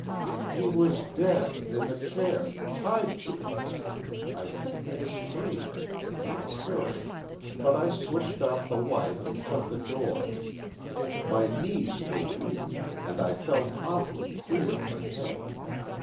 "He was dead, in the chair, tied to it. I think I screamed. I'm not sure. But I switched off the light and shut the door. My knees were weak, and I felt awf'lly queer in the head.